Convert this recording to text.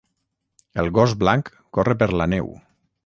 El gos blanc corre per la neu.